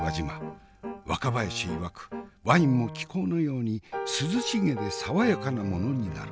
若林いわくワインも気候のように涼しげで爽やかなものになる。